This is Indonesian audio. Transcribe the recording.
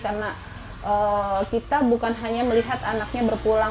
karena kita bukan hanya melihat anaknya berpulang